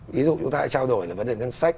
ví dụ chúng ta hãy trao đổi là vấn đề ngân sách